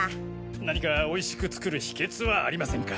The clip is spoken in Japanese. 何か美味しく作る秘訣はありませんか？